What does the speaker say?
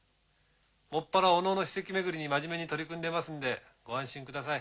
専らお能の史跡めぐりにまじめに取り組んでますんでご安心ください。